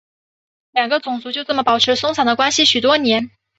两个种族就这么保持松散的关系许多年。